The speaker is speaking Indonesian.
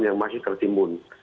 yang masih tertimbun